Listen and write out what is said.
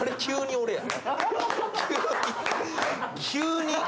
急に。